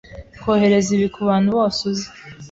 Kohereza ibi kubantu bose uzi.